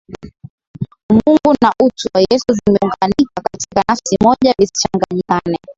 Umungu na utu wa Yesu vimeunganika katika nafsi moja visichanganyikane